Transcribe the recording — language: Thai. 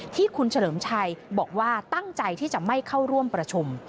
ที่คุณเฉลิมชัยบอกว่าตั้งใจที่จะไม่เข้าร่วมประชุม